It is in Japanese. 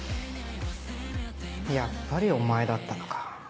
やっぱりお前だったのか。